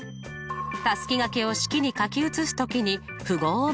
たすきがけを式に書き写す時に符号を間違えました。